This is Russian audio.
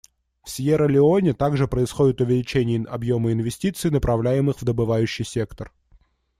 В Сьерра-Леоне также происходит увеличение объема инвестиций, направляемых в добывающий сектор.